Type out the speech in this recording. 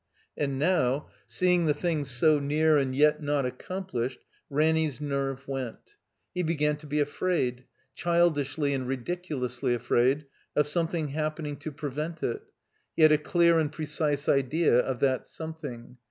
. And now, seeing the thing so near and yet not accomplished, Ranny's nerve went. He began to be afraid, childishly and ridiculously afraid, of some thing happening to prevent it. He had a clear and precise idea of that something.